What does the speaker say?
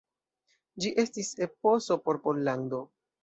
Ĝi estis eposo por Pollando.